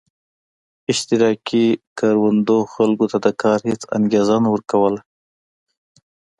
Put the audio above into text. اشتراکي کروندو خلکو ته د کار هېڅ انګېزه نه ورکوله.